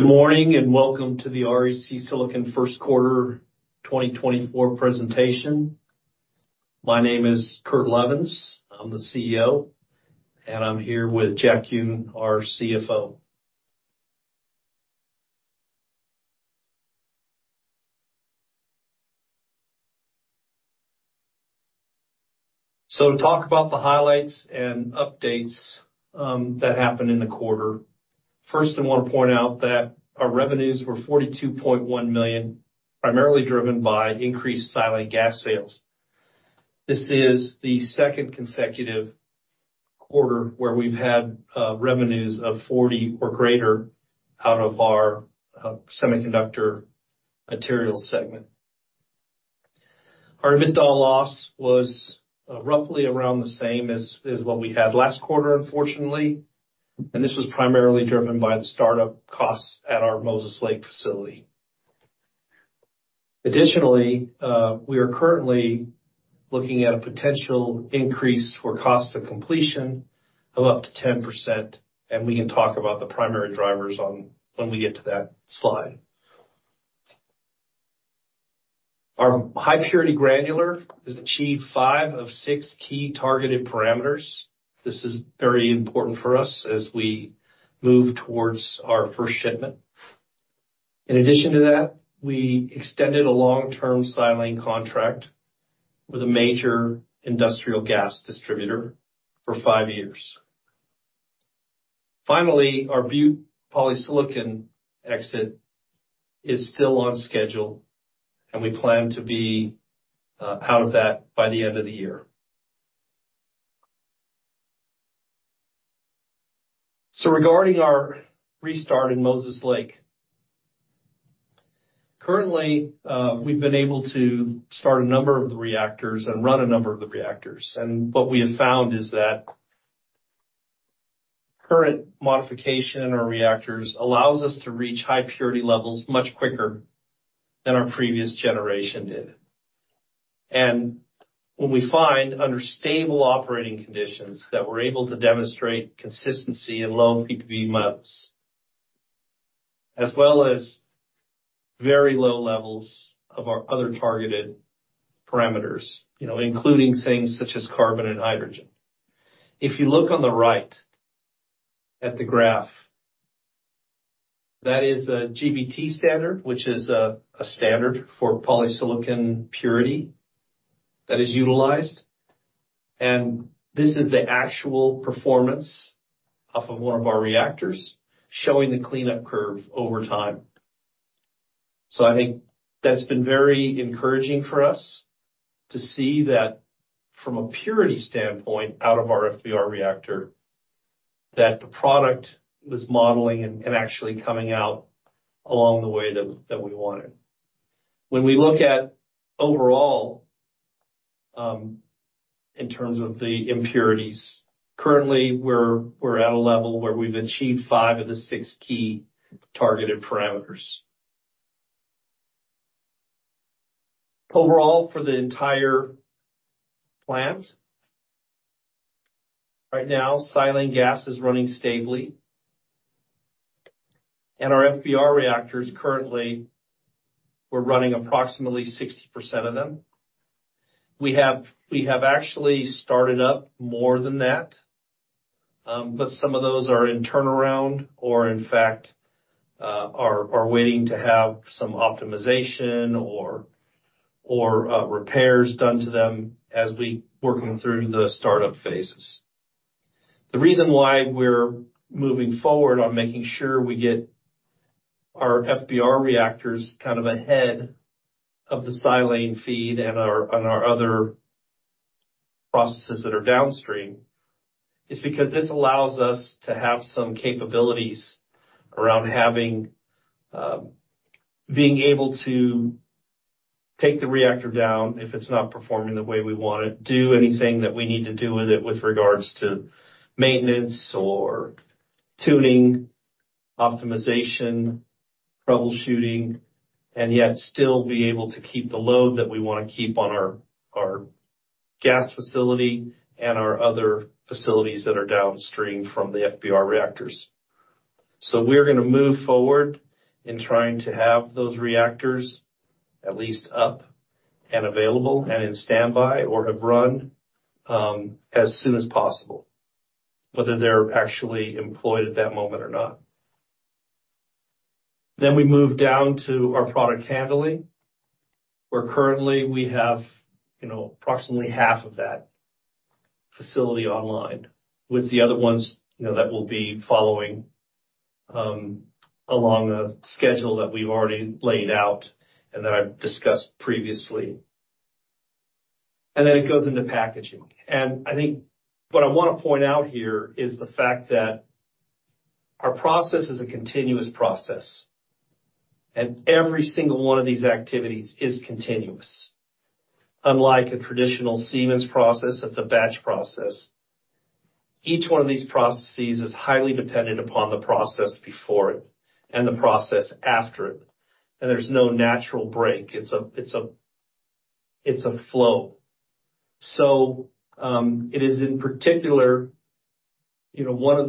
Good morning, and welcome to the REC Silicon First Quarter 2024 presentation. My name is Kurt Levens, I'm the CEO, and I'm here with Jack Yun, our CFO. To talk about the highlights and updates that happened in the quarter. First, I wanna point out that our revenues were $42.1 million, primarily driven by increased silane gas sales. This is the second consecutive quarter where we've had revenues of 40 or greater out of our semiconductor materials segment. Our EBITDA loss was roughly around the same as what we had last quarter, unfortunately, and this was primarily driven by the startup costs at our Moses Lake facility. Additionally, we are currently looking at a potential increase for cost of completion of up to 10%, and we can talk about the primary drivers on when we get to that slide. Our high-purity granular has achieved five of six key targeted parameters. This is very important for us as we move towards our first shipment. In addition to that, we extended a long-term silane contract with a major industrial gas distributor for 5 years. Finally, our Butte polysilicon exit is still on schedule, and we plan to be out of that by the end of the year. So regarding our restart in Moses Lake. Currently, we've been able to start a number of the reactors and run a number of the reactors, and what we have found is that current modification in our reactors allows us to reach high-purity levels much quicker than our previous generation did. When we find under stable operating conditions that we're able to demonstrate consistency in low ppb levels, as well as very low levels of our other targeted parameters, you know, including things such as carbon and hydrogen. If you look on the right at the graph, that is a GB/T standard, which is a standard for polysilicon purity that is utilized, and this is the actual performance off of one of our reactors, showing the cleanup curve over time. I think that's been very encouraging for us to see that from a purity standpoint, out of our FBR reactor, that the product was modeling and actually coming out along the way that we wanted. When we look at overall, in terms of the impurities, currently, we're at a level where we've achieved five of the six key targeted parameters. Overall, for the entire plant, right now, silane gas is running stably, and our FBR reactors, currently, we're running approximately 60% of them. We have actually started up more than that, but some of those are in turnaround or in fact are waiting to have some optimization or repairs done to them as we working through the startup phases. The reason why we're moving forward on making sure we get our FBR reactors kind of ahead of the silane feed and our, on our other processes that are downstream, is because this allows us to have some capabilities around having, being able to take the reactor down if it's not performing the way we want it, do anything that we need to do with it with regards to maintenance or tuning, optimization, troubleshooting, and yet still be able to keep the load that we wanna keep on our gas facility and our other facilities that are downstream from the FBR reactors. So we're gonna move forward in trying to have those reactors at least up and available, and in standby or have run, as soon as possible, whether they're actually employed at that moment or not. Then we move down to our product handling, where currently we have, you know, approximately half of that facility online with the other ones, you know, that will be following along a schedule that we've already laid out and that I've discussed previously. And then it goes into packaging. And I think what I wanna point out here is the fact that our process is a continuous process, and every single one of these activities is continuous. Unlike a traditional Siemens process, that's a batch process. Each one of these processes is highly dependent upon the process before it and the process after it, and there's no natural break. It's a flow. So, it is in particular, you know, one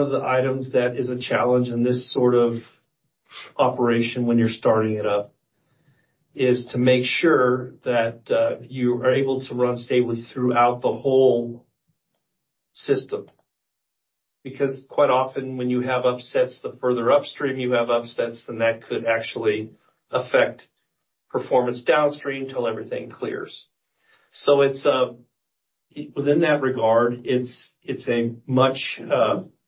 of the items that is a challenge in this sort of operation when you're starting it up, is to make sure that you are able to run stably throughout the whole system, because quite often, when you have upsets, the further upstream you have upsets, then that could actually affect performance downstream till everything clears. So it's within that regard, it's a much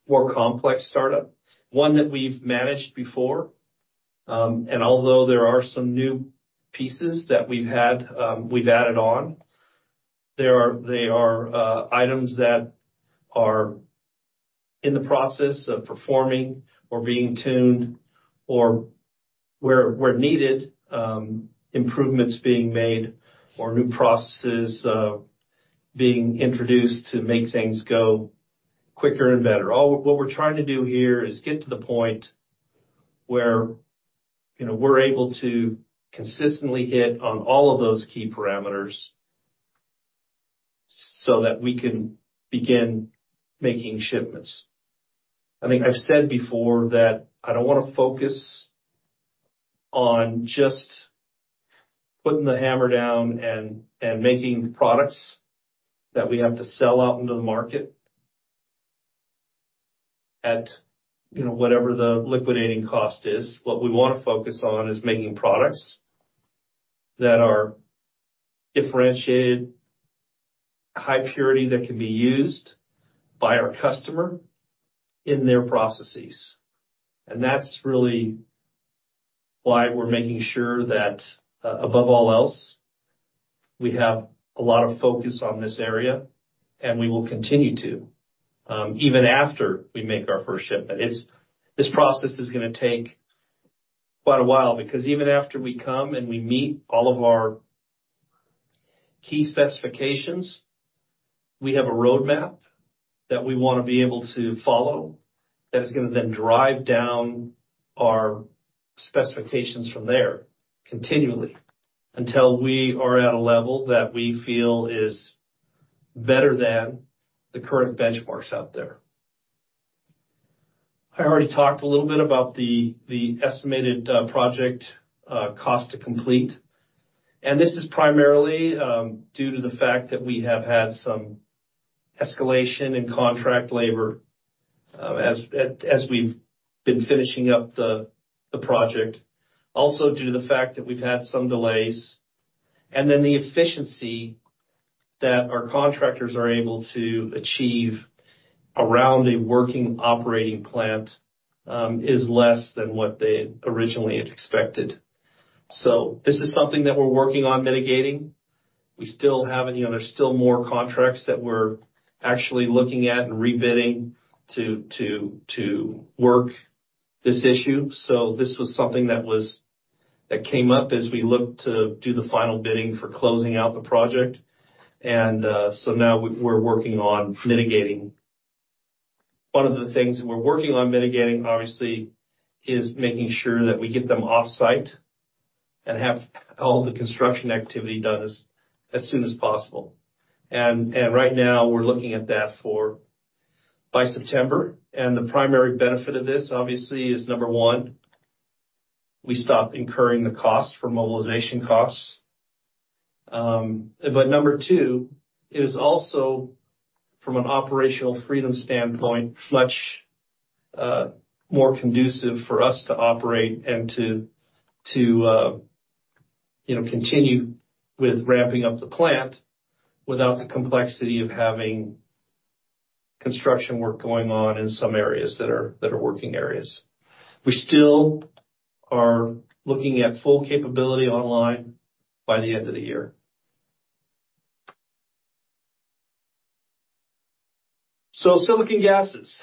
more complex startup, one that we've managed before. And although there are some new pieces that we've added on, they are items that are in the process of performing or being tuned or where needed, improvements being made or new processes being introduced to make things go quicker and better. What we're trying to do here is get to the point where, you know, we're able to consistently hit on all of those key parameters, so that we can begin making shipments. I think I've said before that I don't wanna focus on just putting the hammer down and making products that we have to sell out into the market at, you know, whatever the liquidating cost is. What we wanna focus on is making products that are differentiated, high-purity, that can be used by our customer in their processes. And that's really why we're making sure that, above all else, we have a lot of focus on this area, and we will continue to even after we make our first shipment. This process is gonna take quite a while, because even after we come and we meet all of our key specifications, we have a roadmap that we wanna be able to follow that is gonna then drive down our specifications from there continually, until we are at a level that we feel is better than the current benchmarks out there. I already talked a little bit about the estimated project cost to complete, and this is primarily due to the fact that we have had some escalation in contract labor, as we've been finishing up the project. Also, due to the fact that we've had some delays, and then the efficiency that our contractors are able to achieve around a working, operating plant, is less than what they originally had expected. So this is something that we're working on mitigating. We still have, you know, there's still more contracts that we're actually looking at and rebidding to work this issue. So this was something that came up as we looked to do the final bidding for closing out the project, and so now we're working on mitigating. One of the things we're working on mitigating, obviously, is making sure that we get them off-site and have all the construction activity done as soon as possible. And right now, we're looking at that for by September. And the primary benefit of this, obviously, is number one, we stop incurring the cost for mobilization costs. But number two, it is also from an operational freedom standpoint, much more conducive for us to operate and to you know, continue with ramping up the plant without the complexity of having construction work going on in some areas that are working areas. We still are looking at full capability online by the end of the year. So silicon gases.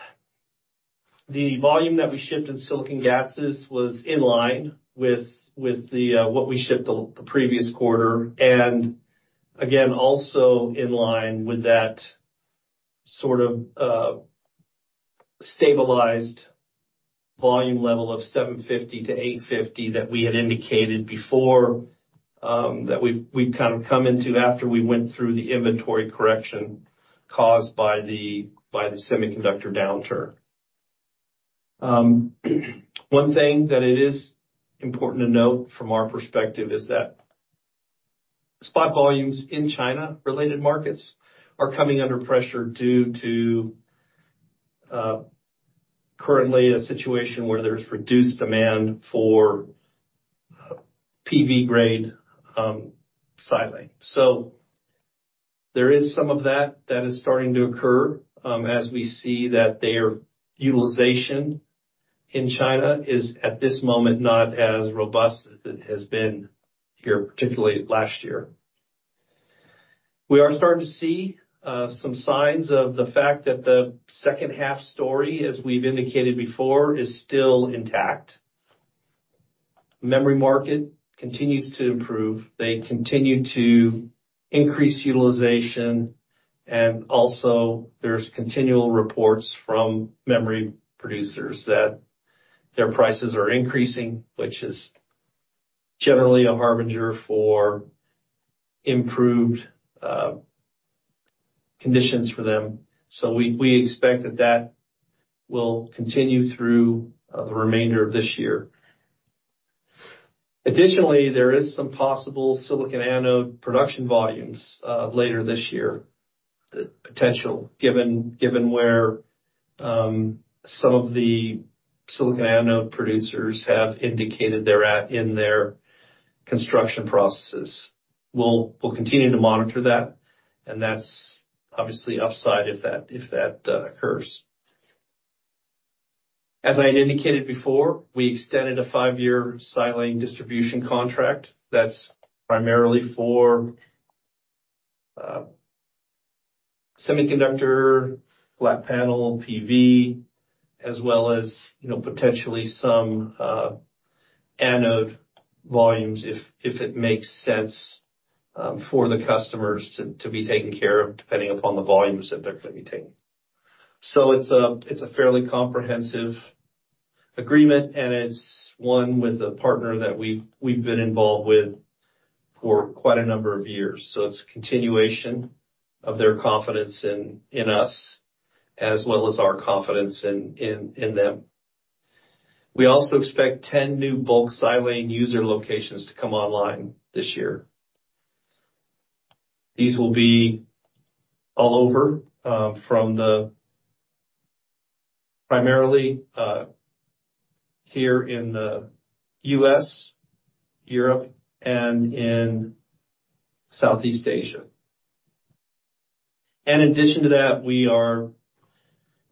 The volume that we shipped in silicon gases was in line with what we shipped the previous quarter, and again, also in line with that sort of stabilized volume level of 750-850 that we had indicated before, that we've kind of come into after we went through the inventory correction caused by the semiconductor downturn. One thing that it is important to note from our perspective is that spot volumes in China-related markets are coming under pressure due to currently a situation where there's reduced demand for PV-grade silane. So there is some of that that is starting to occur, as we see that their utilization in China is, at this moment, not as robust as it has been here, particularly last year. We are starting to see some signs of the fact that the second half story, as we've indicated before, is still intact. Memory market continues to improve. They continue to increase utilization and also there's continual reports from memory producers that their prices are increasing, which is generally a harbinger for improved conditions for them. So we expect that that will continue through the remainder of this year. Additionally, there is some possible silicon anode production volumes later this year, the potential, given where some of the silicon anode producers have indicated they're at in their construction processes. We'll continue to monitor that, and that's obviously upside, if that occurs. As I had indicated before, we extended a 5 year silane distribution contract that's primarily for semiconductor, flat panel, PV, as well as, you know, potentially some anode volumes, if it makes sense for the customers to be taken care of, depending upon the volumes that they're gonna be taking. So it's a fairly comprehensive agreement, and it's one with a partner that we've been involved with for quite a number of years. So it's a continuation of their confidence in us as well as our confidence in them. We also expect 10 new bulk silane user locations to come online this year. These will be all over, primarily, here in the U.S., Europe, and in Southeast Asia. In addition to that, we are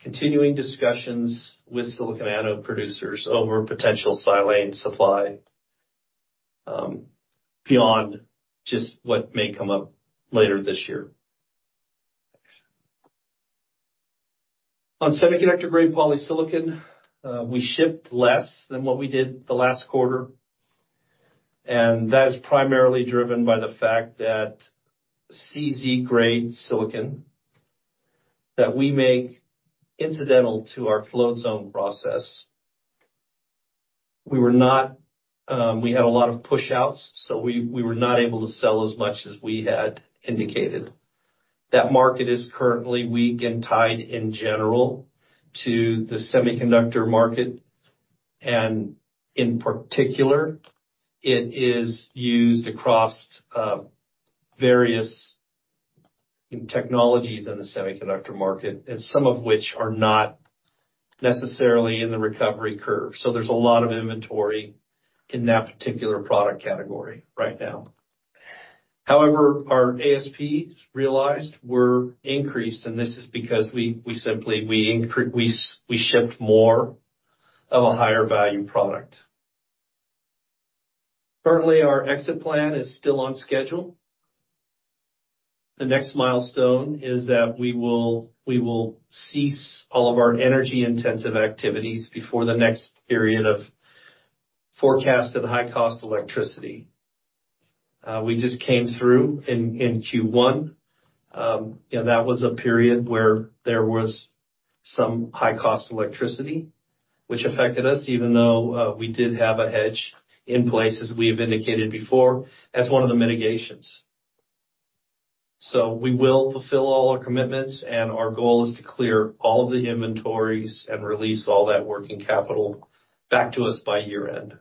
continuing discussions with silicon anode producers over potential silane supply, beyond just what may come up later this year. On semiconductor-grade polysilicon, we shipped less than what we did the last quarter, and that is primarily driven by the fact that CZ-grade silicon, that we make incidental to our float zone process, we had a lot of pushouts, so we were not able to sell as much as we had indicated. That market is currently weak and tied in general to the semiconductor market, and in particular, it is used across various technologies in the semiconductor market, and some of which are not necessarily in the recovery curve. So there's a lot of inventory in that particular product category right now. However, our ASPs realized were increased, and this is because we simply shipped more of a higher value product. Currently, our exit plan is still on schedule. The next milestone is that we will cease all of our energy-intensive activities before the next period of forecasted high-cost electricity. We just came through in Q1. That was a period where there was some high-cost electricity, which affected us, even though we did have a hedge in place, as we have indicated before, as one of the mitigations. So we will fulfill all our commitments, and our goal is to clear all the inventories and release all that working capital back to us by year-end.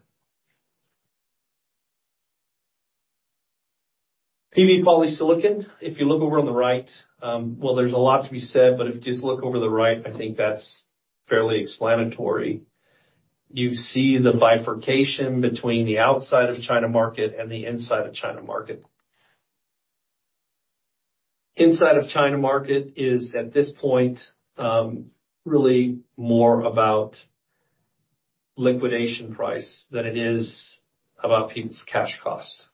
PV polysilicon, if you look over on the right, well, there's a lot to be said, but if you just look over the right, I think that's fairly explanatory. You see the bifurcation between the outside of China market and the inside of China market. Inside of China market is, at this point, really more about liquidation price than it is about people's cash costs.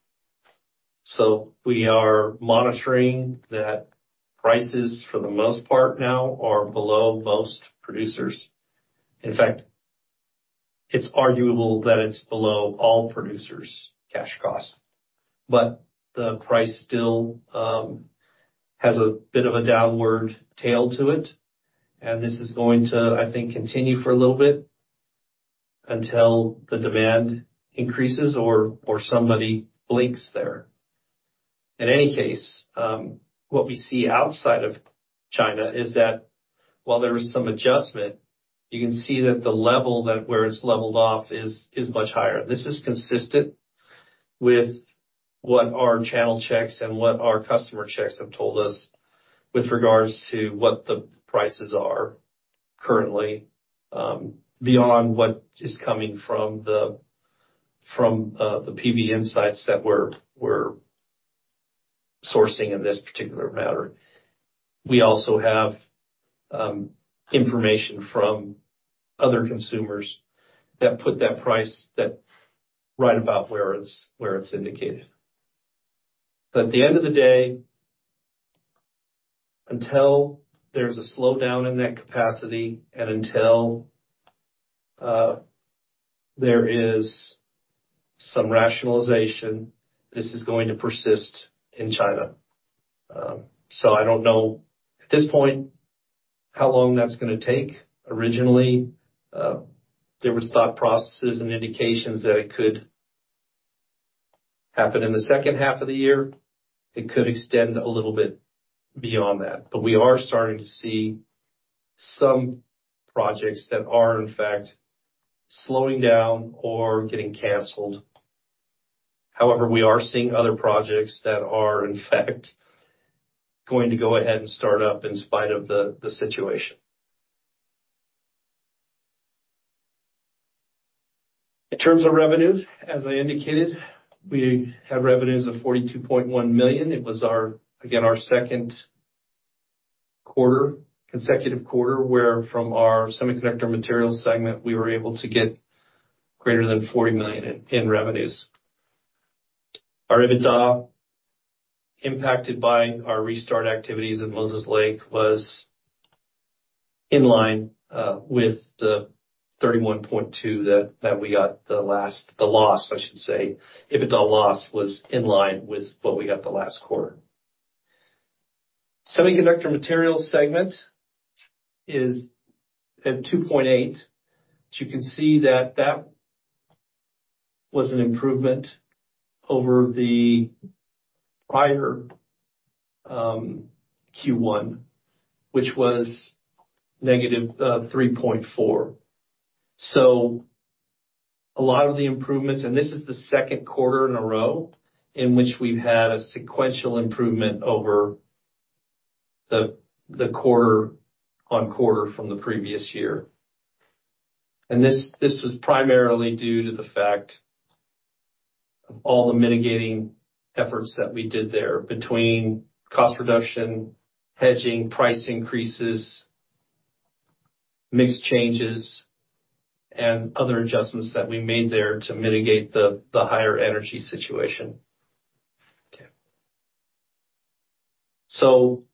So we are monitoring that prices, for the most part now, are below most producers. In fact, it's arguable that it's below all producers' cash costs, but the price still has a bit of a downward tail to it, and this is going to, I think, continue for a little bit until the demand increases or somebody blinks there. In any case, what we see outside of China is that while there is some adjustment, you can see that the level that where it's leveled off is much higher. This is consistent with what our channel checks and what our customer checks have told us with regards to what the prices are currently, beyond what is coming from the PV Insights that we're sourcing in this particular matter. We also have information from other consumers that put that price right about where it's indicated. But at the end of the day, until there's a slowdown in that capacity and until there is some rationalization, this is going to persist in China. So I don't know at this point how long that's gonna take. Originally, there was thought processes and indications that it could happen in the second half of the year. It could extend a little bit beyond that, but we are starting to see some projects that are, in fact, slowing down or getting canceled. However, we are seeing other projects that are, in fact, going to go ahead and start up in spite of the situation. In terms of revenues, as I indicated, we had revenues of $42.1 million. It was our, again, our second quarter, consecutive quarter, where from our semiconductor materials segment, we were able to get greater than $40 million in, in revenues. Our EBITDA, impacted by our restart activities in Moses Lake, was in line with the $31.2 that we got last - the loss, I should say. EBITDA loss was in line with what we got the last quarter. Semiconductor materials segment is at $2.8, which you can see that was an improvement over the prior Q1, which was -$3.4. So a lot of the improvements, and this is the second quarter in a row in which we've had a sequential improvement over the quarter-on-quarter from the previous year. And this was primarily due to the fact of all the mitigating efforts that we did there, between cost reduction, hedging, price increases, mix changes, and other adjustments that we made there to mitigate the higher energy situation. Okay. So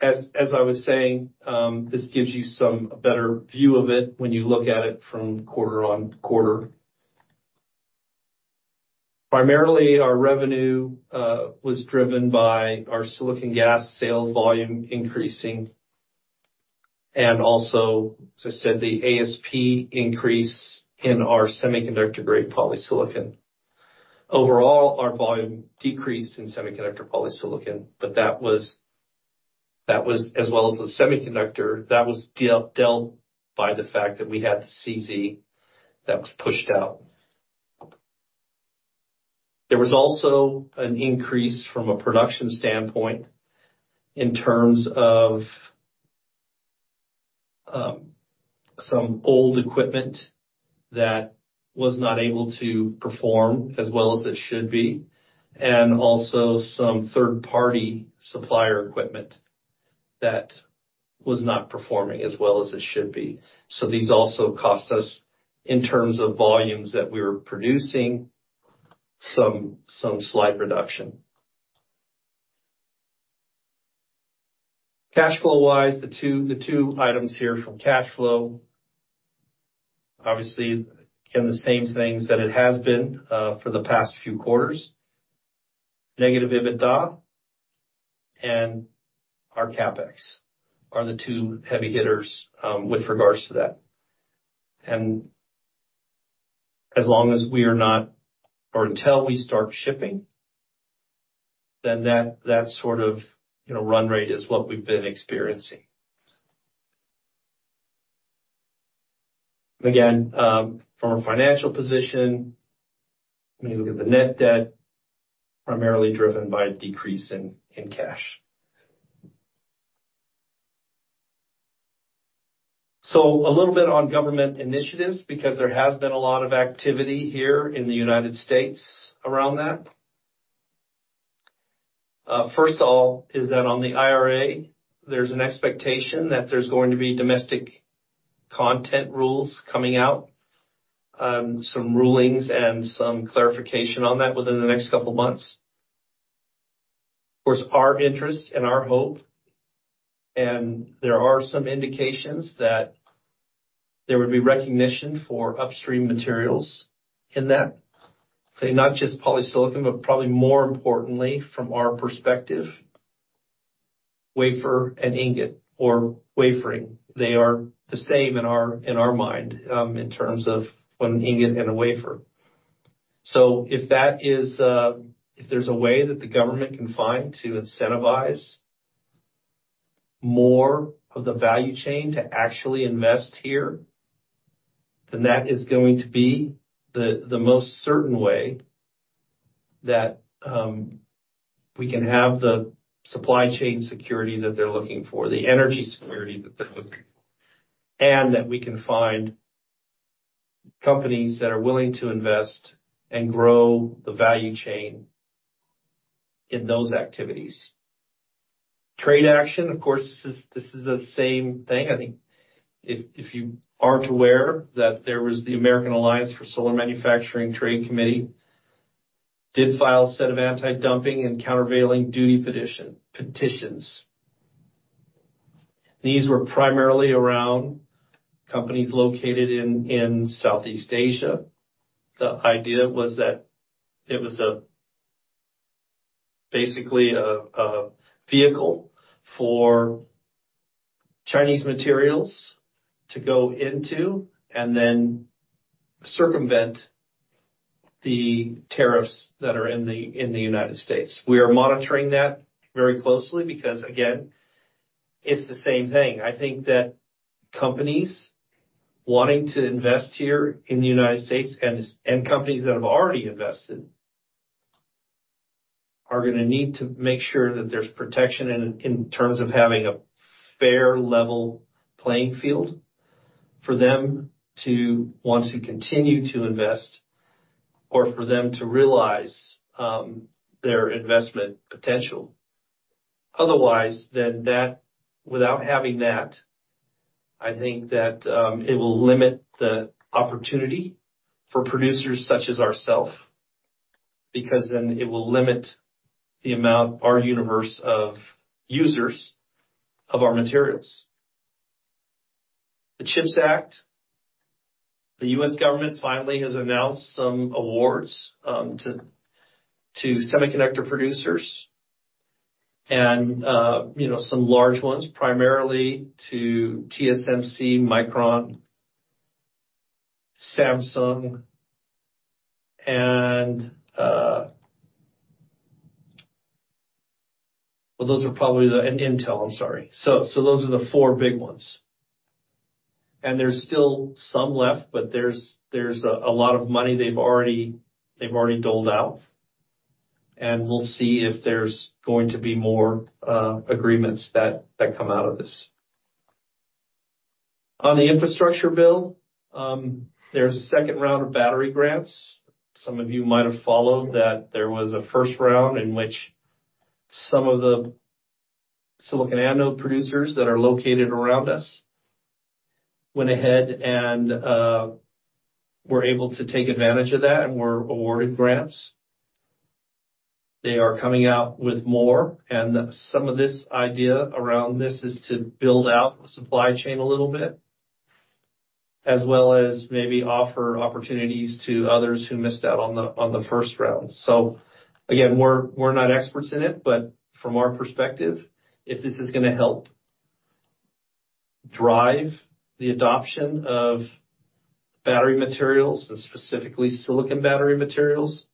as I was saying, this gives you some a better view of it when you look at it from quarter-on-quarter. Primarily, our revenue was driven by our silicon gas sales volume increasing, and also, as I said, the ASP increase in our semiconductor-grade polysilicon. Overall, our volume decreased in semiconductor polysilicon, but that was as well as the semiconductor, that was dealt by the fact that we had the CZ that was pushed out. There was also an increase from a production standpoint in terms of some old equipment that was not able to perform as well as it should be, and also some third-party supplier equipment that was not performing as well as it should be. So these also cost us, in terms of volumes that we were producing, some slight reduction. Cash flow-wise, the two items here from cash flow, obviously, again, the same things that it has been for the past few quarters. Negative EBITDA and our CapEx are the two heavy hitters with regards to that. And as long as we are not, or until we start shipping, then that sort of, you know, run rate is what we've been experiencing. Again, from a financial position, when you look at the net debt, primarily driven by a decrease in cash. So a little bit on government initiatives, because there has been a lot of activity here in the United States around that. First of all, is that on the IRA, there's an expectation that there's going to be domestic content rules coming out, some rulings and some clarification on that within the next couple months. Of course, our interest and our hope, and there are some indications that there would be recognition for upstream materials in that, so not just polysilicon, but probably more importantly from our perspective, wafer and ingot or wafering. They are the same in our mind, in terms of an ingot and a wafer. So if that is, if there's a way that the government can find to incentivize more of the value chain to actually invest here, then that is going to be the most certain way that we can have the supply chain security that they're looking for, the energy security that they're looking for, and that we can find companies that are willing to invest and grow the value chain in those activities. Trade action, of course, this is the same thing, I think, if you aren't aware, that there was the American Alliance for Solar Manufacturing Trade Committee that did file a set of anti-dumping and countervailing duty petitions. These were primarily around companies located in Southeast Asia. The idea was that it was basically a vehicle for Chinese materials to go into and then circumvent the tariffs that are in the United States. We are monitoring that very closely because, again, it's the same thing. I think that companies wanting to invest here in the United States, and companies that have already invested, are gonna need to make sure that there's protection in terms of having a fair, level playing field for them to want to continue to invest or for them to realize their investment potential. Otherwise, without having that, I think that it will limit the opportunity for producers such as ourself, because then it will limit the amount, our universe of users of our materials. The CHIPS Act, the U.S. government finally has announced some awards to semiconductor producers and, you know, some large ones, primarily to TSMC, Micron, Samsung, and, well, those are probably the and Intel, I'm sorry. So those are the four big ones. And there's still some left, but there's a lot of money they've already doled out, and we'll see if there's going to be more agreements that come out of this. On the infrastructure bill, there's a second round of battery grants. Some of you might have followed that there was a first round in which some of the silicon anode producers that are located around us went ahead and were able to take advantage of that and were awarded grants. They are coming out with more, and some of this idea around this is to build out the supply chain a little bit, as well as maybe offer opportunities to others who missed out on the first round. So again, we're not experts in it, but from our perspective, if this is gonna help drive the adoption of battery materials, and specifically silicon battery materials,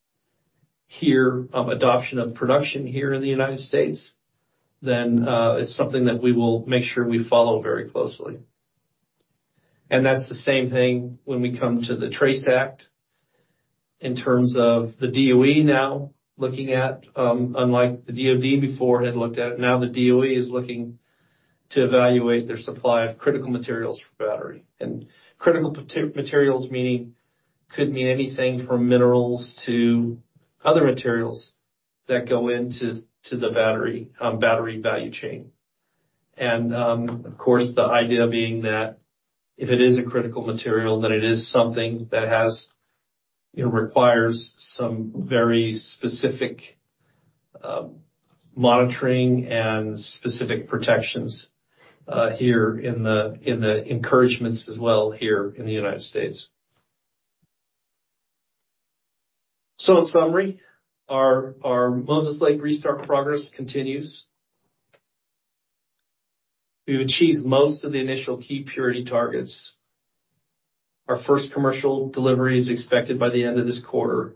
here, adoption of production here in the United States, then it's something that we will make sure we follow very closely. That's the same thing when we come to the TRACE Act in terms of the DOE now looking at, unlike the DOD before had looked at it, now the DOE is looking to evaluate their supply of critical materials for battery. Critical materials meaning, could mean anything from minerals to other materials that go into the battery value chain. Of course, the idea being that if it is a critical material, then it is something that has, you know, requires some very specific, monitoring and specific protections, here in the encouragements as well, here in the United States. In summary, our Moses Lake restart progress continues. We've achieved most of the initial key purity targets. Our first commercial delivery is expected by the end of this quarter.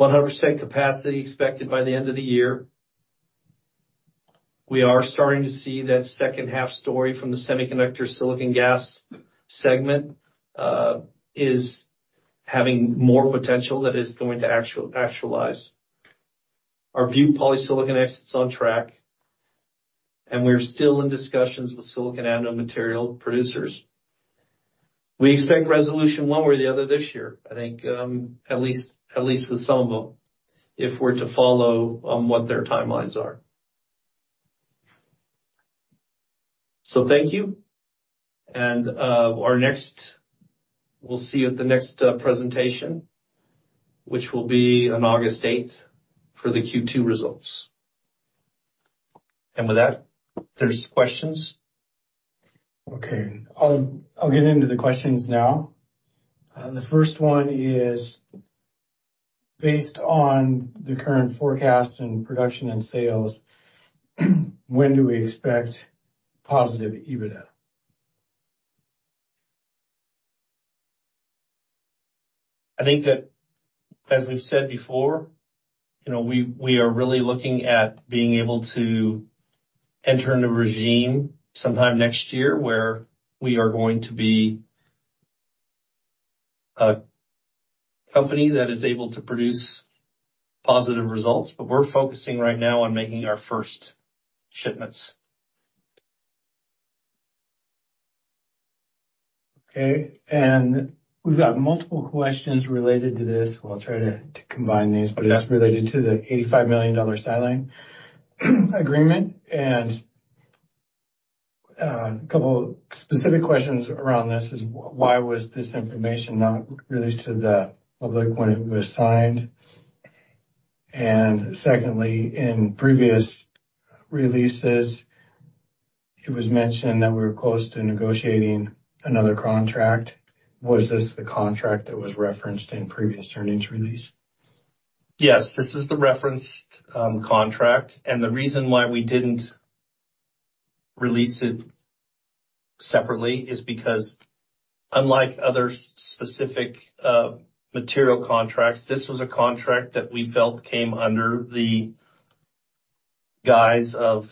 100% capacity expected by the end of the year. We are starting to see that second half story from the semiconductor silicon gas segment is having more potential that is going to actualize. Our PV polysilicon exit's on track, and we're still in discussions with silicon anode material producers. We expect resolution one way or the other this year, I think, at least with some of them, if we're to follow what their timelines are. So thank you, and our next—we'll see you at the next presentation, which will be on August 8 for the Q2 results. And with that, there's questions? Okay, I'll get into the questions now. The first one is: Based on the current forecast in production and sales, when do we expect positive EBITDA? I think that, as we've said before, you know, we are really looking at being able to enter in a regime sometime next year, where we are going to be a company that is able to produce positive results, but we're focusing right now on making our first shipments. Okay, and we've got multiple questions related to this. I'll try to combine these, but it's related to the $85 million silane agreement, and- A couple specific questions around this is, why was this information not released to the public when it was signed? And secondly, in previous releases, it was mentioned that we were close to negotiating another contract. Was this the contract that was referenced in previous earnings release? Yes, this is the referenced contract. The reason why we didn't release it separately is because unlike other specific material contracts, this was a contract that we felt came under the guise of,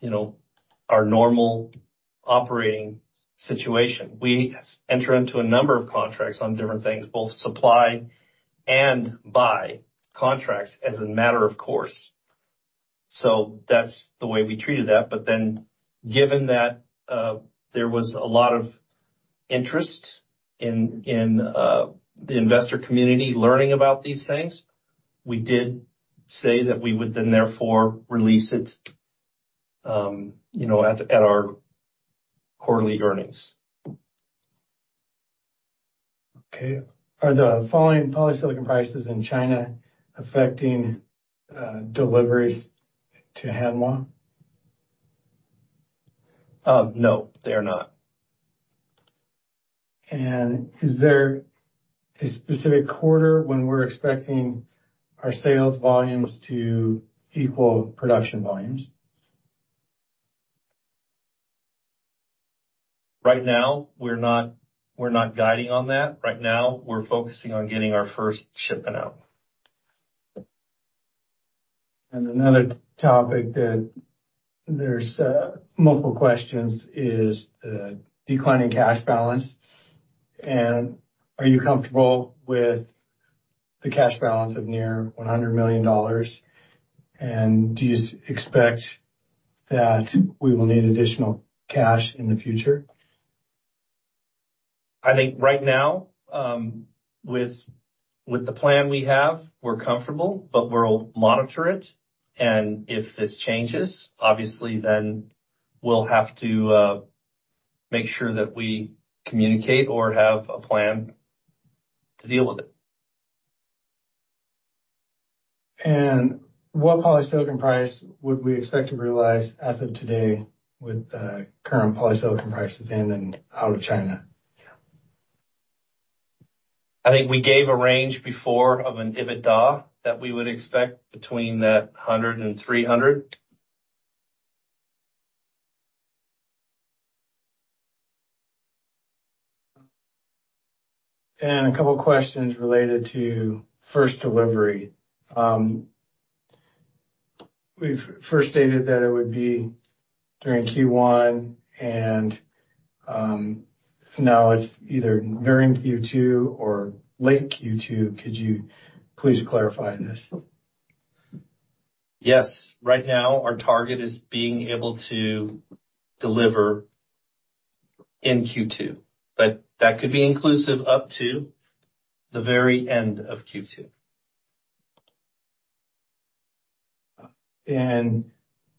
you know, our normal operating situation. We enter into a number of contracts on different things, both supply and buy contracts as a matter of course. That's the way we treated that. But then, given that, there was a lot of interest in the investor community learning about these things, we did say that we would then therefore release it, you know, at our quarterly earnings. Okay. Are the falling polysilicon prices in China affecting deliveries to Hanwha? No, they are not. Is there a specific quarter when we're expecting our sales volumes to equal production volumes? Right now,, we're not guiding on that. Right now, we're focusing on getting our first shipment out. Another topic that there's multiple questions is the declining cash balance. Are you comfortable with the cash balance of near $100 million, and do you expect that we will need additional cash in the future? I think right now, with the plan we have, we're comfortable, but we'll monitor it, and if this changes, obviously, then we'll have to make sure that we communicate or have a plan to deal with it. What polysilicon price would we expect to realize as of today with current polysilicon prices in and out of China? I think we gave a range before of an EBITDA that we would expect between that 100 and 300. A couple of questions related to first delivery. We've first stated that it would be during Q1, and now it's either during Q2 or late Q2. Could you please clarify this? Yes. Right now, our target is being able to deliver in Q2, but that could be inclusive up to the very end of Q2.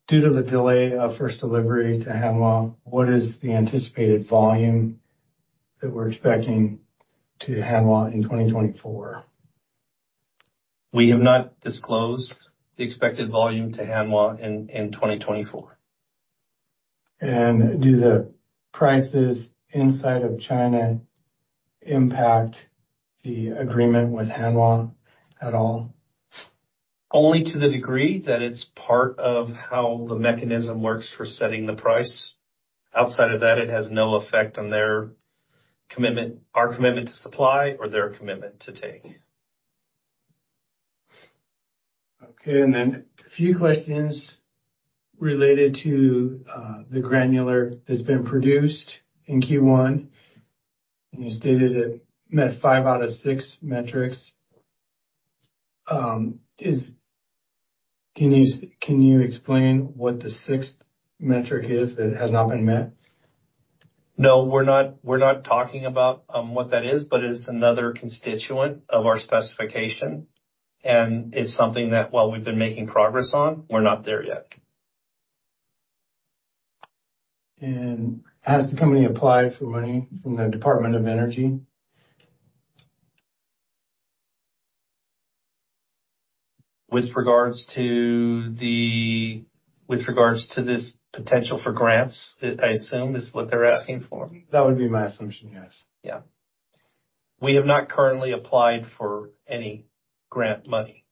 Due to the delay of first delivery to Hanwha, what is the anticipated volume that we're expecting to Hanwha in 2024? We have not disclosed the expected volume to Hanwha in 2024. Do the prices inside of China impact the agreement with Hanwha at all? Only to the degree that it's part of how the mechanism works for setting the price. Outside of that, it has no effect on their commitment, our commitment to supply or their commitment to take. Okay, and then a few questions related to the granular that's been produced in Q1. And you stated it met five out of six metrics. Can you explain what the sixth metric is, that has not been met? No, we're not talking about what that is, but it is another constituent of our specification, and it's something that while we've been making progress on, we're not there yet. Has the company applied for money from the Department of Energy? With regards to this potential for grants, that I assume is what they're asking for? That would be my assumption, yes. Yeah. We have not currently applied for any grant money.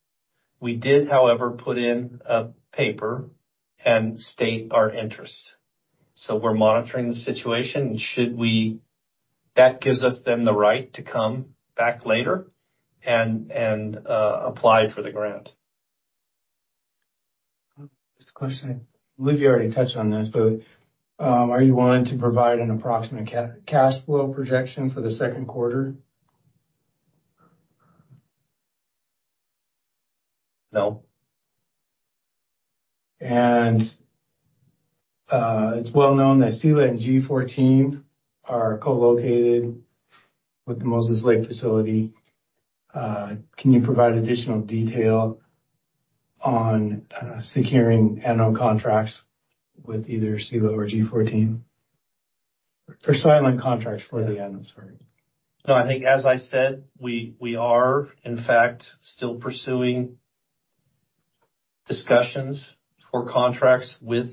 We did, however, put in a paper and state our interest. So we're monitoring the situation, and should we, that gives us then the right to come back later and apply for the grant. Just a question. I believe you already touched on this, but, are you willing to provide an approximate cash flow projection for the second quarter? No. It's well known that Sila and G14 are co-located with the Moses Lake facility. Can you provide additional detail on securing anode contracts with either Sila or G14? For silane contracts for the anodes, sorry. No, I think as I said, we are, in fact, still pursuing discussions for contracts with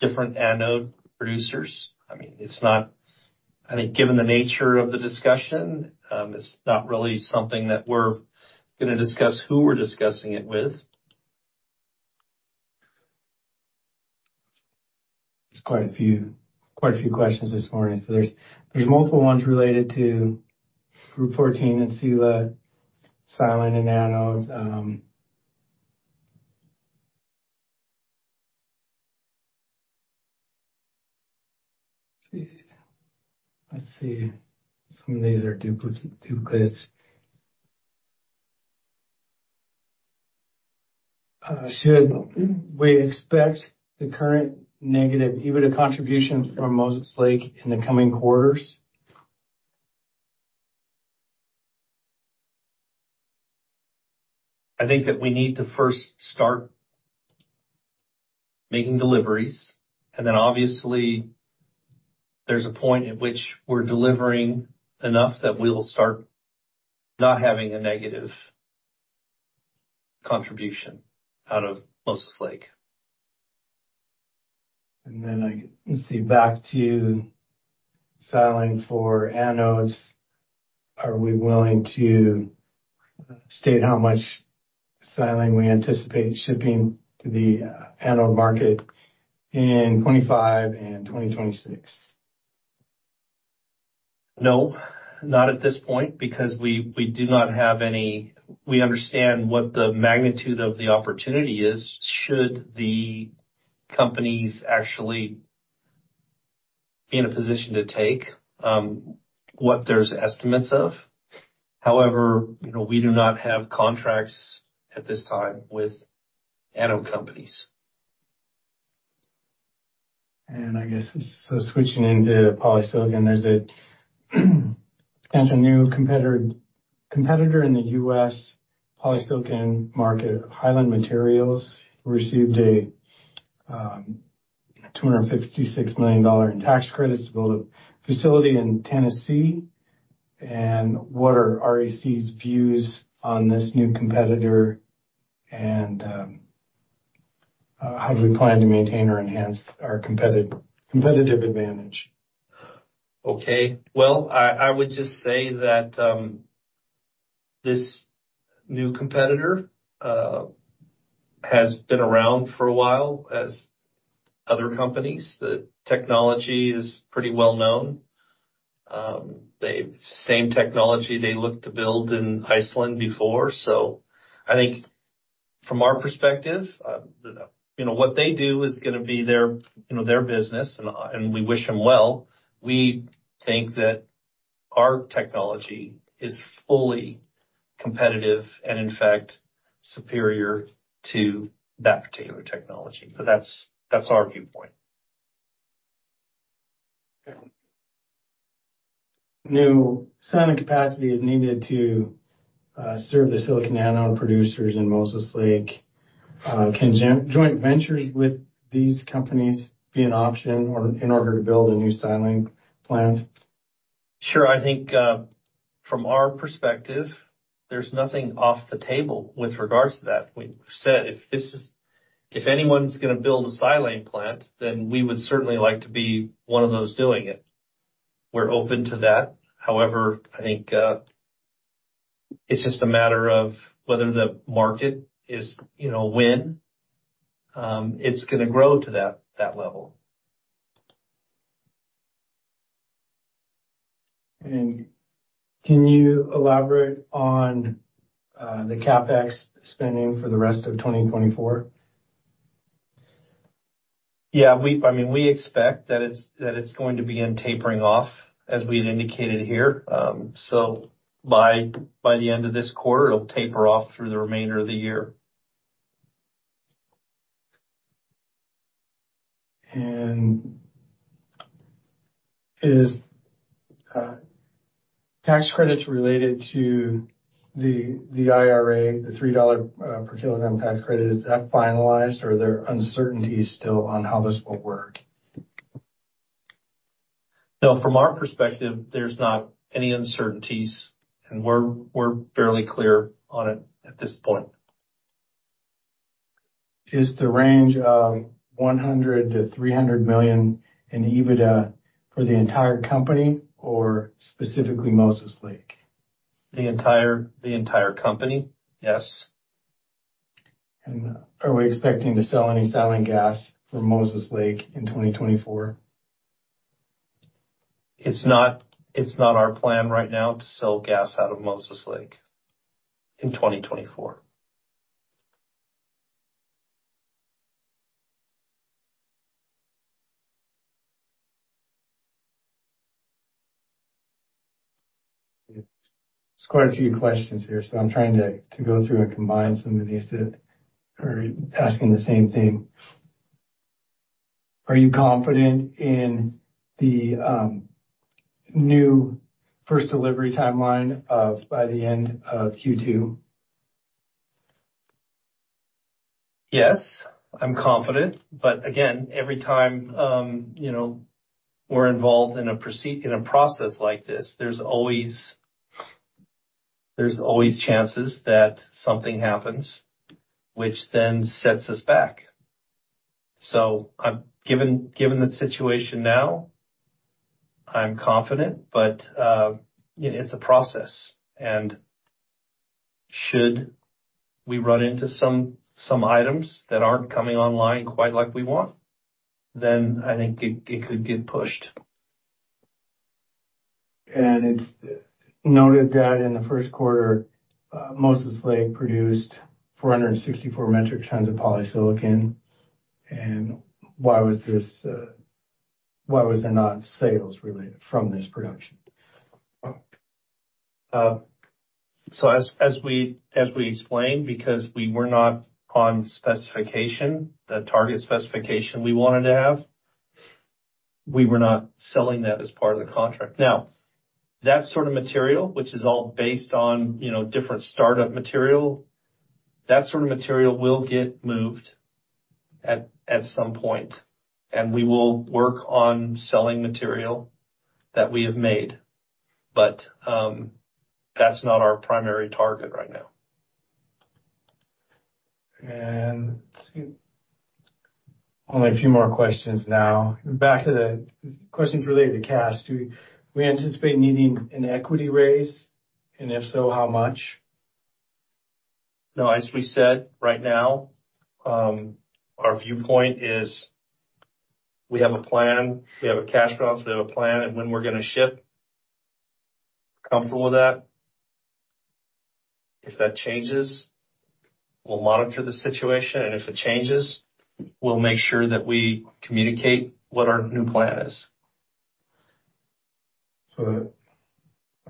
different anode producers. I mean, it's not. I think, given the nature of the discussion, it's not really something that we're gonna discuss who we're discussing it with. There's quite a few, quite a few questions this morning. So there's multiple ones related to Group14 and Sila, silane, and anodes. Let's see. Some of these are duplicates. Should we expect the current negative EBITDA contribution from Moses Lake in the coming quarters? I think that we need to first start making deliveries, and then, obviously, there's a point at which we're delivering enough that we will start not having a negative contribution out of Moses Lake. And then let's see, back to silane for anodes. Are we willing to state how much silane we anticipate shipping to the anode market in 2025 and 2026? No, not at this point, because we do not have any. We understand what the magnitude of the opportunity is, should the companies actually be in a position to take what there's estimates of. However, you know, we do not have contracts at this time with anode companies. I guess, so switching into polysilicon, there's a potential new competitor in the U.S. polysilicon market. Highland Materials received a $256 million in tax credits to build a facility in Tennessee. And what are REC's views on this new competitor? And how do we plan to maintain or enhance our competitive advantage? Okay. Well, I would just say that, this new competitor has been around for a while, as other companies. The technology is pretty well known. The same technology they looked to build in Iceland before. So I think from our perspective, you know, what they do is gonna be their, you know, their business, and we wish them well. We think that our technology is fully competitive and, in fact, superior to that particular technology. But that's our viewpoint. New silane capacity is needed to serve the silicon anode producers in Moses Lake. Can joint ventures with these companies be an option or in order to build a new silane plant? Sure. I think, from our perspective, there's nothing off the table with regards to that. We've said if this is - if anyone's gonna build a silane plant, then we would certainly like to be one of those doing it. We're open to that. However, I think, it's just a matter of whether the market is, you know, when, it's gonna grow to that, that level. Can you elaborate on the CapEx spending for the rest of 2024? Yeah, I mean, we expect that it's going to begin tapering off, as we had indicated here. So by the end of this quarter, it'll taper off through the remainder of the year. Is tax credits related to the IRA, the $3 per kilogram tax credit, finalized, or are there uncertainties still on how this will work? No, from our perspective, there's not any uncertainties, and we're fairly clear on it at this point. Is the range of $100 million-$300 million in EBITDA for the entire company or specifically Moses Lake? The entire company, yes. Are we expecting to sell any silane gas from Moses Lake in 2024? It's not our plan right now to sell gas out of Moses Lake in 2024. There's quite a few questions here, so I'm trying to go through and combine some of these that are asking the same thing. Are you confident in the new first delivery timeline of by the end of Q2? Yes, I'm confident, but again, every time, you know, we're involved in a process like this, there's always chances that something happens which then sets us back. So I'm given the situation now, I'm confident, but, you know, it's a process, and should we run into some items that aren't coming online quite like we want, then I think it could get pushed. It's noted that in the first quarter, Moses Lake produced 464 metric tons of polysilicon. Why was there not sales related from this production? So as we explained, because we were not on specification, the target specification we wanted to have, we were not selling that as part of the contract. Now, that sort of material, which is all based on, you know, different startup material, that sort of material will get moved at some point, and we will work on selling material that we have made, but that's not our primary target right now. Let's see, only a few more questions now. Back to the questions related to cash, do we anticipate needing an equity raise, and if so, how much? No, as we said, right now, our viewpoint is we have a plan, we have a cash balance, we have a plan, and when we're going to ship, comfortable with that. If that changes, we'll monitor the situation, and if it changes, we'll make sure that we communicate what our new plan is. So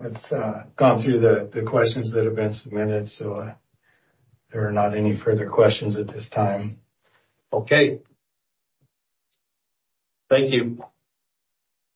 let's gone through the questions that have been submitted, so there are not any further questions at this time. Okay. Thank you.